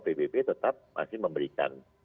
pbb tetap masih memberikan